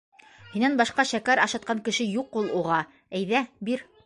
Һинән башҡа шәкәр ашатҡан кеше юҡ ул уға, әйҙә, бир...